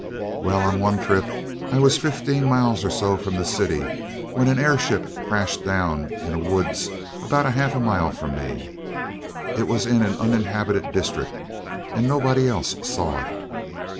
"Well, on one trip I was fifteen miles or so from the city when an airship crashed down in a woods about half a mile from me. It was in an uninhabited district and nobody else saw it.